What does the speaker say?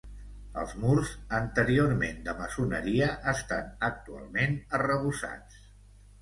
Els murs anteriorment de maçoneria, estan actualment arrebossats.